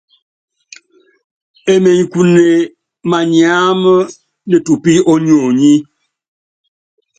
Emenyi kune manyiáma netupí ónyonyí.